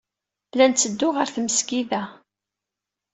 La netteddu ɣer tmesgida.